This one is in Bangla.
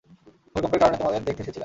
ভূমিকম্পের কারণে তোমাদের দেখতে এসেছিলাম।